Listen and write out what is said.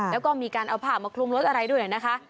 แล้วก็มีการเอาผ้ามาคลุมรถอะไรด้วยนะคะ